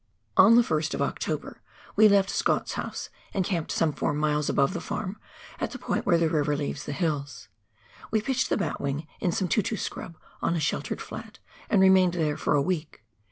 On the 1st of October we left Scott's house and camped some four miles above the farm, at the point where the river leaves the hills ; we pitched the batwing in some tutu scrub, on a sheltered flat, and remained there for a week.